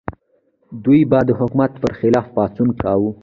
دوی به د حکومت پر خلاف پاڅون کاوه.